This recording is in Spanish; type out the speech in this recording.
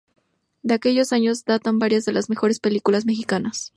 De aquellos años datan varias de las mejores películas mexicanas.